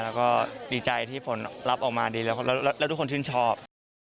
แล้วก็ดีใจที่ผลรับออกมาดีแล้วทุกคนชื่นชอบ